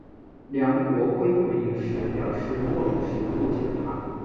梁国辉回应时表示莫礼时误解了他。